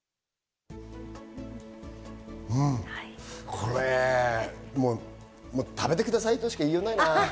これ食べてくださいとしか言いようがないな。